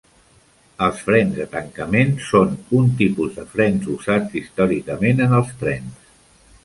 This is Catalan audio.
Els frens de tancament són un tipus de frens usats històricament en els trens.